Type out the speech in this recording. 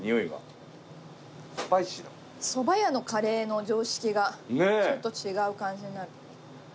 そば屋のカレーの常識がちょっと違う感じになる。